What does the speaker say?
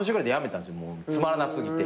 つまらなすぎて。